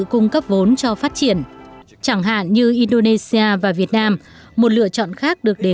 cung cấp vốn cho phát triển chẳng hạn như indonesia và việt nam một lựa chọn khác được đề